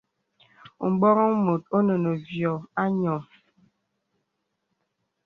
M̀bwarəŋ mùt ɔ̀nə nə vyɔ̀ a nyɔ̀.